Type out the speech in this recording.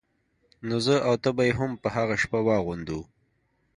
نو زه او ته به يې هم په هغه شپه واغوندو.